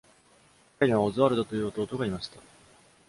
彼には、オズワルドという弟がいました。